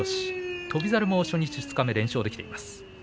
翔猿初日、二日目、連勝できています。